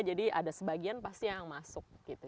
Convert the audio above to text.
jadi ada sebagian pasti yang masuk gitu